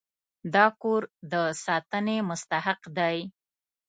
دا کور د ساتنې مستحق دی.